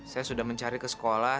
saya sudah mencari ke sekolah